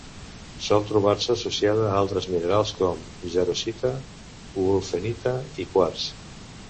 Sol trobar-se associada a altres minerals com: jarosita, wulfenita i quars.